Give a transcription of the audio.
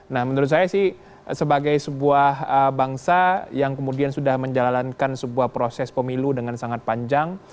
nah menurut saya sih sebagai sebuah bangsa yang kemudian sudah menjalankan sebuah proses pemilu dengan sangat panjang